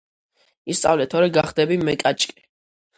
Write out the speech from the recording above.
ისწავლე თორე გახდები მეკაჭკე